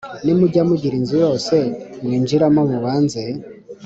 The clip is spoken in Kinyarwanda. Nimujya mugira inzu yose mwinjiramo mubanze